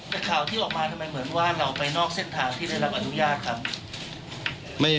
แต่ข่าวที่ออกมาทำไมเหมือนว่าเราไปนอกเส้นทางที่ได้รับอนุญาตครับ